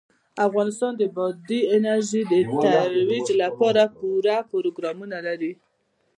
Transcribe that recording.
افغانستان د بادي انرژي د ترویج لپاره پوره پروګرامونه لري.